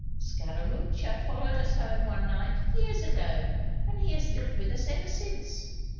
Scarammuccia followed us home one night, years ago, and he has lived with us ever since.